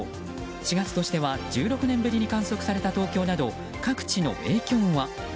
４月としては１６年ぶりに観測された東京など各地の影響は？